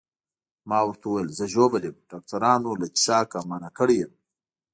ما ورته وویل زه ژوبل یم، ډاکټرانو له څښاکه منع کړی یم.